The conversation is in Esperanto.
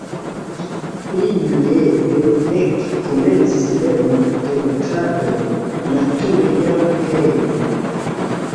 Imre Benedek komencis lerni pentradon nature jam hejme.